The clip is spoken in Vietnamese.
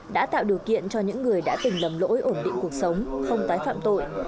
đã tạo điều kiện cho những người đã từng lầm lỗi ổn định cuộc sống không tái phạm tội